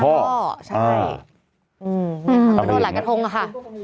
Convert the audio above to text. อือหือหือหืออืมมมอะไรเนี่ยไม่รู้อย่ะ